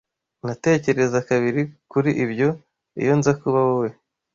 Natekereza kabiri kuri ibyo, iyo nza kuba wowe.